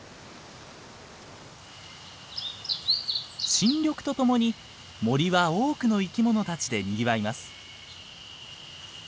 新緑とともに森は多くの生き物たちでにぎわいます。